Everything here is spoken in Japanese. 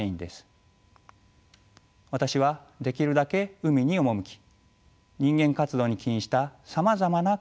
私はできるだけ海に赴き人間活動に起因したさまざまな環境